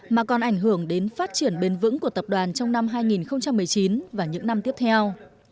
mà còn ảnh hưởng đến phát triển bền vững của tập đoàn trong năm hai nghìn một mươi chín và những năm tiếp theo